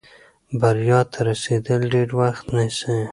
بریا ته رسېدل ډېر وخت نیسي.